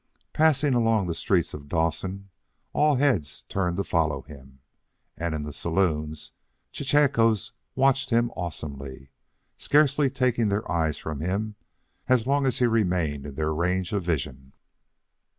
Passing along the streets of Dawson, all heads turned to follow him, and in the saloons chechaquos watched him awesomely, scarcely taking their eyes from him as long as he remained in their range of vision.